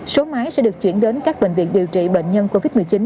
số máy sẽ được chuyển đến các bệnh viện điều trị bệnh nhân covid một mươi chín